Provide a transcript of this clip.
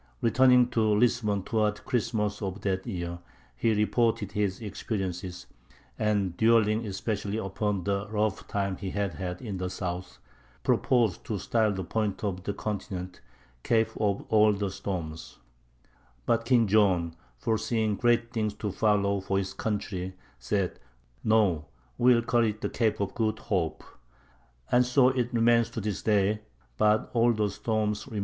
Returning to Lisbon toward Christmas of that year, he reported his experiences, and dwelling especially upon the rough time he had had in the south, proposed to style the point of the continent Cape of all the Storms; but King John, foreseeing great things to follow for his country, said, "No; we will call it the Cape of Good Hope"; and so it remains to this day—but all the storms remain about it, too!